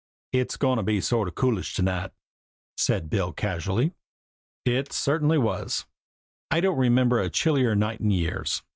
"It's going to be sort of coolish to night," said Bill casually. It certainly was. I don't remember a chillier night in years.